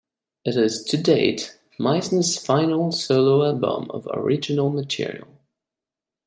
It is to-date Meisner's final solo album of original material.